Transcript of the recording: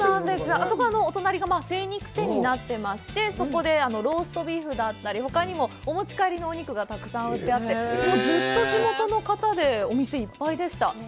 あそこはお隣が精肉店になってまして、そこでローストビーフだったり、ほかにもお持ち帰りのお肉がたくさん売ってあって、ずっと地元の方でお店はいっぱいでした。